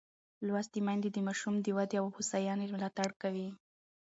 لوستې میندې د ماشوم د ودې او هوساینې ملاتړ کوي.